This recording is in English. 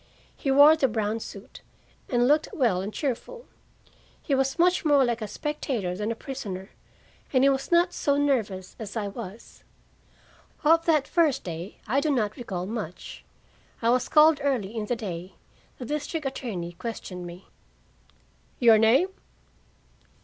He wore the brown suit, and looked well and cheerful. He was much more like a spectator than a prisoner, and he was not so nervous as I was. Of that first day I do not recall much. I was called early in the day. The district attorney questioned me. "Your name?"